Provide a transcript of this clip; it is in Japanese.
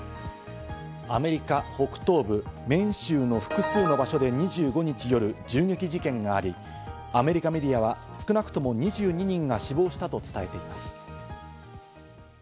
アメリカ北東部メーン州の複数の場所で２５日夜、銃撃事件があり、アメリカメディアは少なくとも２２人が死亡したと伝えています。